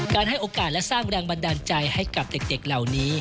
ให้โอกาสและสร้างแรงบันดาลใจให้กับเด็กเหล่านี้